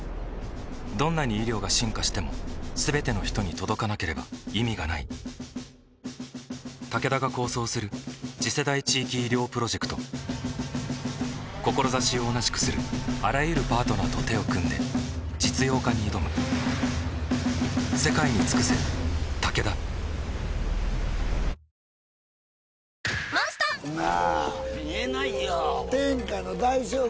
どんなに医療が進化しても全ての人に届かなければ意味がないタケダが構想する次世代地域医療プロジェクト志を同じくするあらゆるパートナーと手を組んで実用化に挑むこの山ね。